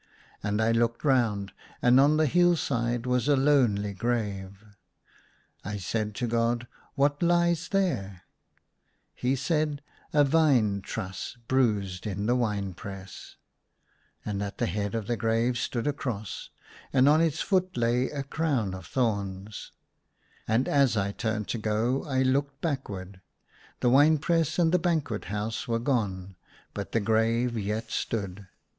And I looked round ; and on the hill side was a lonely grave. I said to God, " What lies there }" He said, "A vine truss, bruised in the wine press !And at the head of the grave stood a cross, and on its foot lay a crown of thorns. A CHOSS M Y BED. 1 5 5 And as I turned to go, I looked backward. The wine press and the banquet house were gone ; but the grave yet stood.